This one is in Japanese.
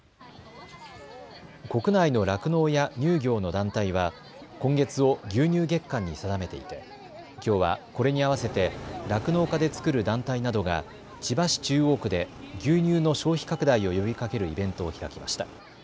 国内の酪農や乳業の団体は今月を牛乳月間に定めていてきょうはこれに合わせて酪農家で作る団体などが千葉市中央区で牛乳の消費拡大を呼びかけるイベントを開きました。